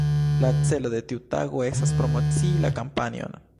La celo de tiu tago estas promocii la kampanjon.